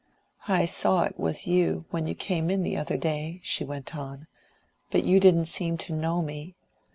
"I saw it was you, when you came in the other day," she went on; "but you didn't seem to know me.